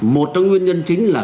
một trong nguyên nhân chính là